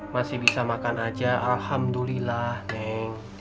masih bisa makan aja alhamdulillah neng